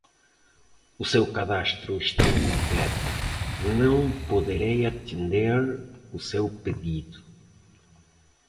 O seu cadastro está incompleto, não poderei atender o seu pedido.